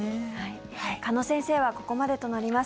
鹿野先生はここまでとなります。